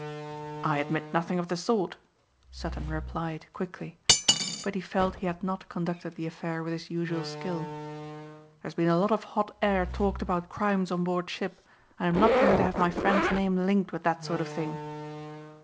"I admit nothing of the sort," Sutton replied quickly. But he felt he had not conducted the affair with his usual skill. "There's been a lot of hot air talked about crimes on board ship and I'm not going to have my friend's name linked with that sort of thing."